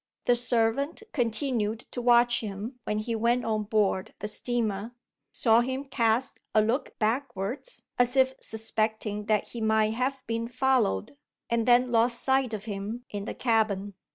The servant continued to watch him when he went on board the steamer; saw him cast a look backwards, as if suspecting that he might have been followed; and then lost sight of him in the cabin.